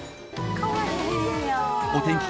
お天気